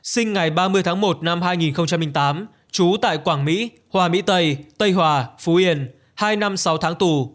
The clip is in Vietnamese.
sinh ngày ba mươi tháng một năm hai nghìn tám trú tại quảng mỹ hòa mỹ tây tây hòa phú yên hai năm sáu tháng tù